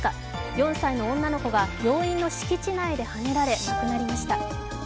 ４歳の女の子が病院の敷地内ではねられ亡くなりました。